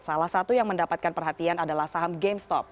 salah satu yang mendapatkan perhatian adalah saham gamestop